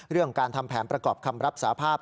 เรื่องการทำแผนประกอบคำรับสาภาพ